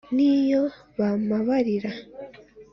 n’iyo bampabarira